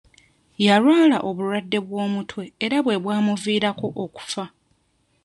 Yalwala obulwadde bw'omutwe era bwe bwamuviirako okufa.